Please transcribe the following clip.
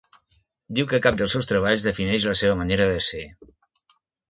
Diu que cap dels seus treballs defineix la seva manera d'ésser.